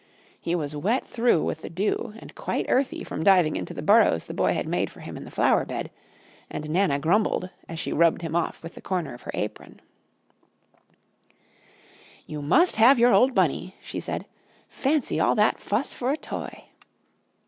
He was wet through with the dew and quite earthy from diving into the burrows the Boy had made for him in the flower bed, and Nana grumbled as she rubbed him off with a corner of her apron. Spring Time "You must have your old Bunny!" she said. "Fancy all that fuss for a toy!"